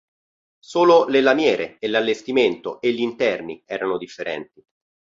Solo le lamiere e l'allestimento e gli interni erano differenti.